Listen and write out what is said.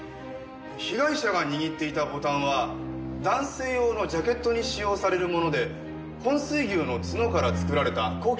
被害者が握っていたボタンは男性用のジャケットに使用されるもので本水牛の角から作られた高級品でした。